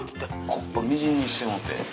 木っ端みじんにしてもうて。